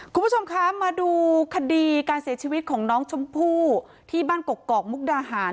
คุณผู้ชมคะมาดูคดีการเสียชีวิตของน้องชมพู่ที่บ้านกกอกมุกดาหาร